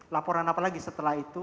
laporan apa lagi setelah itu